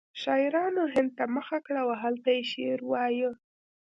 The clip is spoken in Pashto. شاعرانو هند ته مخه کړه او هلته یې شعر وایه